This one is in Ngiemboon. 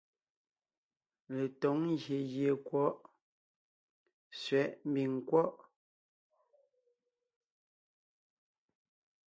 Letǒŋ ngyè gie è kwɔ̌ʼ ( sẅɛ̌ʼ mbiŋ nkwɔ́ʼ).